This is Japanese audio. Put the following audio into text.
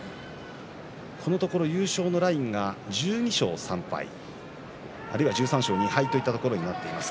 このところ優勝のラインは１２勝３敗あるいは１３勝２敗といったところになっています。